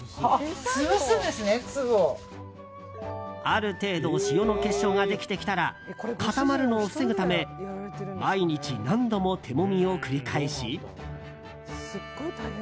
ある程度塩の結晶ができてきたら固まるのを防ぐため毎日、何度も手もみを繰り返し。